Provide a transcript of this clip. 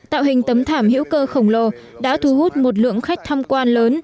tạo hình tấm thảm hữu cơ khổng lồ đã thu hút một lượng khách tham quan lớn